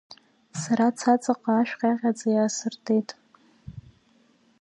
Сара ацацаҟа ашә ҟьаҟьаӡа иаасыртит.